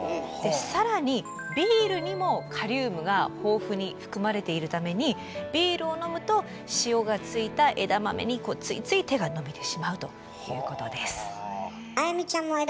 更にビールにもカリウムが豊富に含まれているためにビールを飲むと塩が付いた枝豆についつい手が伸びてしまうということです。